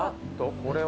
これは？